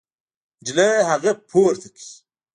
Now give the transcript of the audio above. نجلۍ هغه پورته کړ.